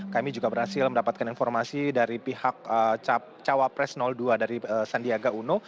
kami juga berhasil mendapatkan informasi dari pihak cawapres dua dari sandiaga uno